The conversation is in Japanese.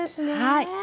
はい。